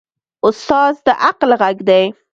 استاد د عقل غږ دی.